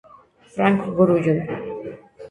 Frank Grullón.